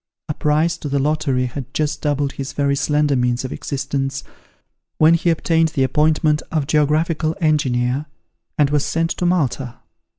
A prize in the lottery had just doubled his very slender means of existence, when he obtained the appointment of geographical engineer, and was sent to Malta.